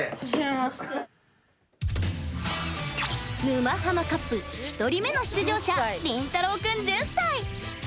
「沼ハマカップ」１人目の出場者リンタロウ君、１０歳。